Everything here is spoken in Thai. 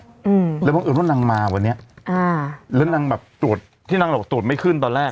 อืมแล้วบังเอิญว่านางมาวันนี้อ่าแล้วนางแบบตรวจที่นางบอกตรวจไม่ขึ้นตอนแรก